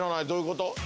どういうこと？